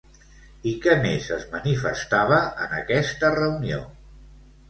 I què més es manifestava en aquesta reunió?